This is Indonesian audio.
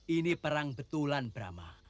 ini perang betulan brahma